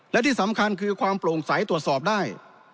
และที่สำคัญคือความโปร่งใสตรวจสอบได้